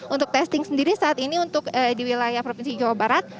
untuk testing sendiri saat ini untuk di wilayah provinsi jawa barat